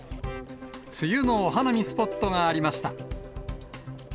梅雨のお花見スポットがありました。